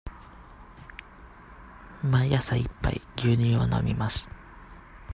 毎朝一杯牛乳を飲みます。